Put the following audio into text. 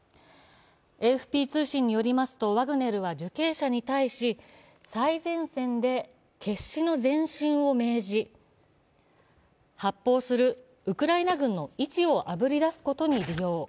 ＡＦＰ通信によるとワグネルは受刑者に対し最前線で決死の前進を命じ発砲するウクライナ軍の位置をあぶり出すことに利用。